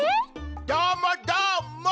どーもどーも！